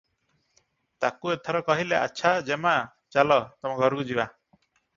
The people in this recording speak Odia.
ତାକୁ ଏଥର କହିଲେ- "ଆଚ୍ଛା, ଯେମା, ଚାଲ ତମ ଘରକୁ ଯିବା ।